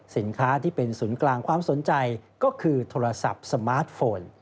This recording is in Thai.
สินค้าที่เป็นศูนย์กลางความสนใจก็คือโทรศัพท์สมาร์ทโฟน